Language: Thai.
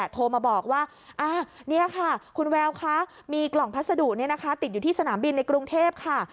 โทรมาบอกว่านี่ค่ะคุณแววคะมีกล่องพัสดุติดอยู่ที่สนามบินในกรุงเทพค่ะ